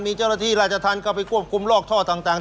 มีเจ้าหน้าที่ราชธรรมเข้าไปควบคุมลอกท่อต่าง